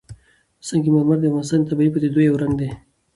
سنگ مرمر د افغانستان د طبیعي پدیدو یو رنګ دی.